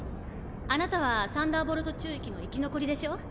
あなたはサンダーボルト宙域の生き残りでしょ？